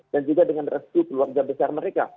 dan juga dengan restu keluarga besar mereka